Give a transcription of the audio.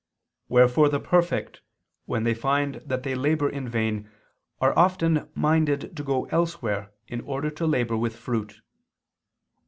Wherefore the perfect when they find that they labor in vain are often minded to go elsewhere in order to labor with fruit."